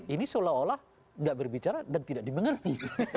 ini seolah olah tidak berbicara dan tidak dimengerti